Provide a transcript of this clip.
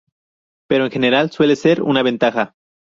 Pero, en general, suele ser una ventaja.